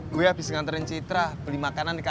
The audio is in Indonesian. gue abis nganterein citra beli makanan di kaget